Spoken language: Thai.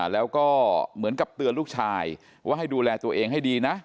แล้วก็เหมือนกับเตือนลูกชายว่าให้ดูแลตัวเองให้ดีนะ